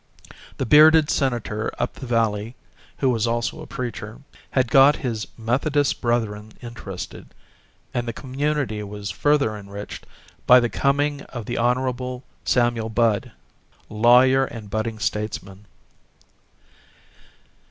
The bearded Senator up the valley, who was also a preacher, had got his Methodist brethren interested and the community was further enriched by the coming of the Hon. Samuel Budd, lawyer and budding statesman.